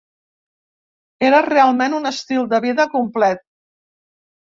Era realment un estil de vida complet.